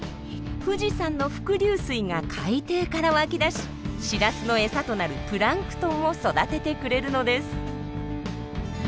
富士山の伏流水が海底から湧き出しシラスの餌となるプランクトンを育ててくれるのです。